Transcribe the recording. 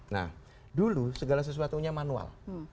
nah dulu segala sesuatunya manual